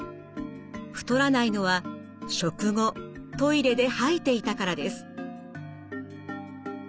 太らないのは食後トイレで吐いていたからです。